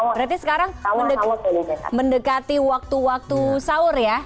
berarti sekarang mendekati waktu waktu sahur ya